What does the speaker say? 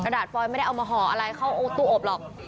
ดาตฟอยไม่ได้เอามาห่ออะไรเข้าตู้อบหรอก